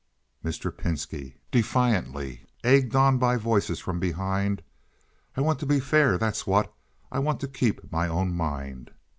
Mr. Pinski (defiantly, egged on by voices from behind). "I want to be fair—that's what. I want to keep my own mind.